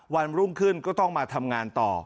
วันรุ่งขึ้นก็ต้องมาทำงานต่อ